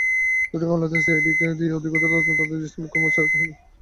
দুটি মামলাতেই সিআইডিকে দিয়ে অধিকতর তদন্তের আদেশ দিয়েছেন মুখ্য বিচারিক হাকিম।